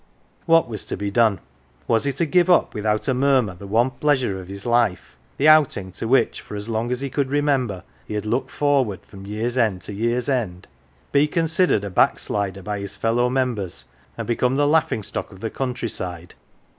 What was to be done ? Was he to give up without a murmur the one pleasure of his life the outing to which, for as long as he could remember, he had looked forward from year's end to year's end ? Be considered a backslider by his fellow members and become the laughing stock of the country side